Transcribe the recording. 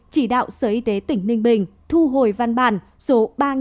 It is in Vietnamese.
chỉ đạo sở y tế tỉnh ninh bình thu hồi văn bản số ba nghìn năm trăm hai mươi chín